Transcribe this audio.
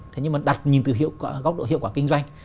thế nhưng mà đặt nhìn từ góc độ hiệu quả kinh doanh